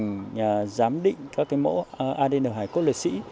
chúng tôi là tiến hành giám định các mẫu adn hải cốt liệt sĩ